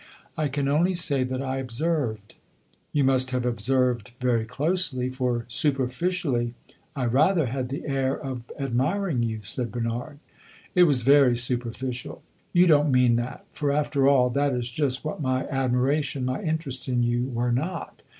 "I can only say that I observed." "You must have observed very closely, for, superficially, I rather had the air of admiring you," said Bernard. "It was very superficial." "You don't mean that; for, after all, that is just what my admiration, my interest in you, were not.